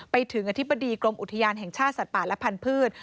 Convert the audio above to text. ไปถึงอธิบดีกรมอุทยานแห่งชาติสัตว์ป่าและพันธุ์